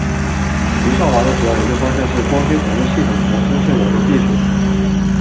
余少华的主要研究方向是光纤传输系统和通信网络技术。